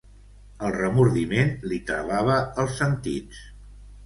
El remordiment li travava els sentits.